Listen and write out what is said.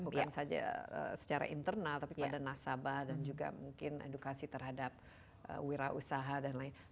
bukan saja secara internal tapi pada nasabah dan juga mungkin edukasi terhadap wira usaha dan lain lain